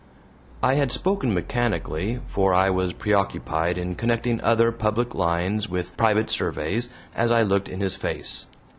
I had spoken mechanically, for I was preoccupied in connecting other public lines with private surveys as I looked in his face.